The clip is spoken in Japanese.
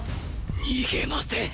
逃げません。